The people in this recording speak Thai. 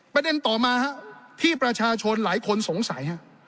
ประเด็นต่อมาที่ประชาชนหลายคนสงสัย